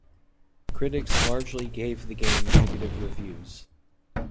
Critics largely gave the game negative reviews.